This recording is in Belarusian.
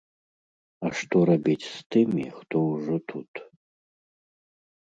А што рабіць з тымі, хто ўжо тут?